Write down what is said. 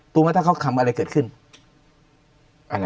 เพราะเขาก็เลยไม่ทำ